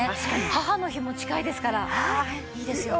母の日も近いですからいいですよね。